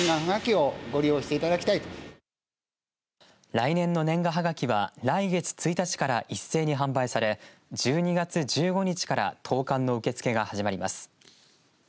来年の年賀はがきは来月１日から一斉に販売され１２月１５日から投かんの受け付けが始まります。